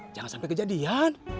jangan sampe kejadian